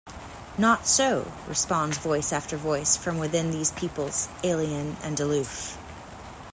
"Not so," responds voice after voice from within these peoples alien and aloof.